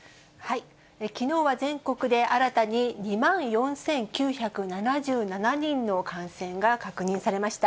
きのうは全国で新たに２万４９７７人の感染が確認されました。